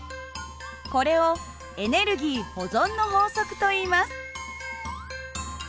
これをエネルギー保存の法則といいます。